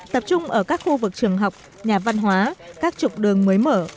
tập trung ở các khu vực trường học nhà văn hóa các trục đường mới mở